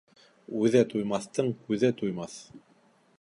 Үҙе туймаҫтың күҙе туймаҫ.